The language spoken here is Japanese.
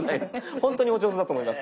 ほんとにお上手だと思います。